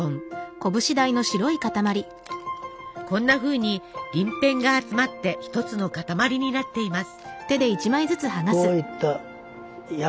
こんなふうに鱗片が集まって１つの塊になっています。